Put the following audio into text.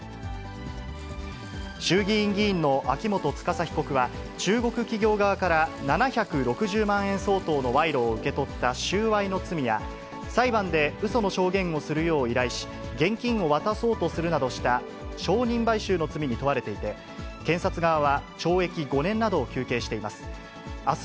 衆議院議員の秋元司被告は、中国企業側から７６０万円相当の賄賂を受け取った収賄の罪や、裁判でうその証言をするよう依頼し、現金を渡そうとするなどした、証人買収の罪に問われていて、検察側は、懲役５年などを求刑しています。